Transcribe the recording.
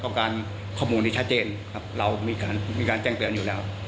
การข้อมูลที่ชัดเจนครับเรามีการแจ้งเตือนอยู่แล้ว